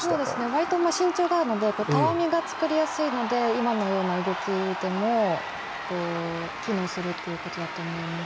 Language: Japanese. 割と身長があるのでたわみが作りやすいので今のような動きでも機能するということだと思います。